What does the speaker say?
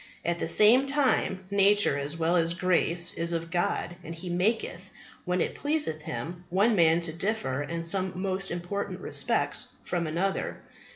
At the same time, nature, as well as grace, is of God, and He maketh, when it pleaseth Him, one man to differ in some most important respects from another.